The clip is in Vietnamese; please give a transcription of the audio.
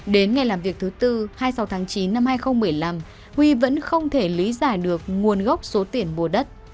đến ngày làm việc thứ tư hai mươi sáu tháng chín năm hai nghìn một mươi năm huy vẫn không thể lý giải được nguồn gốc số tiền bùa đất